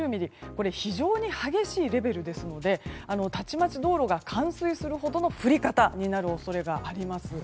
これは非常に激しいレベルですのでたちまち道路が冠水するほどの降り方になる恐れがあります。